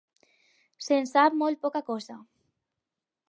Se'n sap molt poca cosa.